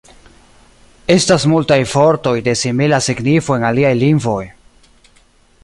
Estas multaj vortoj de simila signifo en aliaj lingvoj.